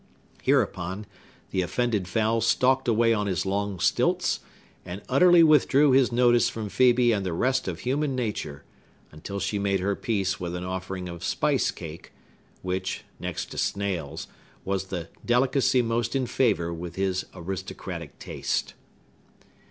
Hereupon, the offended fowl stalked away on his long stilts, and utterly withdrew his notice from Phœbe and the rest of human nature, until she made her peace with an offering of spice cake, which, next to snails, was the delicacy most in favor with his aristocratic taste.